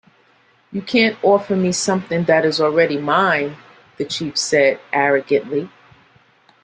"You can't offer me something that is already mine," the chief said, arrogantly.